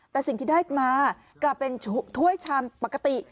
แต่สิ่งที่ได้มากลับเป็นถ้วยชามปกติ